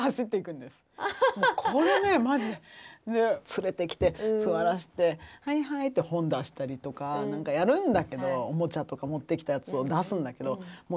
連れてきて座らしてはいはいって本出したりとかやるんだけどおもちゃとか持ってきたやつを出すんだけどもう全部こんな感じ。